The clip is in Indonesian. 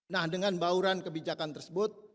nah dengan bauran kebijakan tersebut